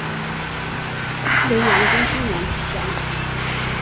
雷彦恭生年不详。